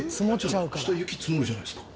そしたら雪積もるじゃないですか。